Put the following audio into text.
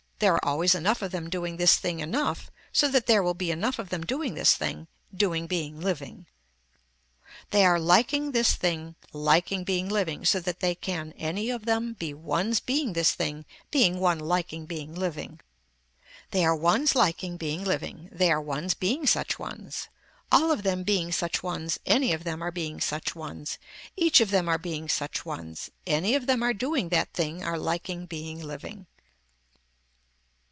There are always enough of them doing this thing enough so that there will be enough of them doing this thing, doing being living. They are liking this thing liking being living so that they can any of them be ones being this thing being one liking being living. They are ones liking being living, they are ones being such ones, all of them being such ones any of them are being such ones, each of them are being such ones, any of them are doing that thing are liking being living.